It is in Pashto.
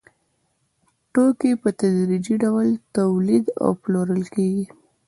توکي په تدریجي ډول تولید او پلورل کېږي